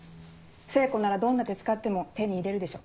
聖子ならどんな手使っても手に入れるでしょ。